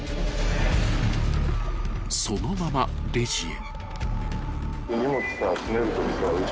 ［そのままレジへ］